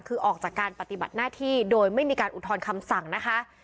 คือออกจากการปฏิบัติหน้าที่โดยไม่มีการอุทธรณ์คำสั่งนะคะ